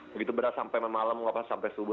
begitu berat sampai malam nggak pas sampai subuh